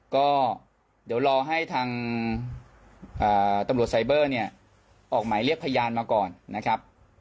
ก็เดี๋ยวรอให้ทางตำรวจไซเบอร์เนี่ยออกหมายเรียกพยานมาก่อนนะครับ